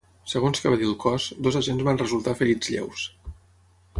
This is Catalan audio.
Segons que va dir el cos, dos agents van resultar ferits lleus.